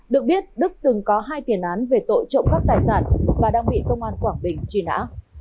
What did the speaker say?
được biết đức từng có hai tiền án về tội trộm cắp tài sản và đang bị công an quảng bình truy nã